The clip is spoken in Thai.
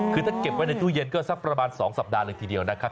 คือถ้าเก็บไว้ในตู้เย็นก็สักประมาณ๒สัปดาห์เลยทีเดียวนะครับ